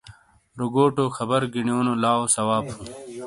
روگوٹو خبر گینیو نو لاٶ ثواب ہُوں۔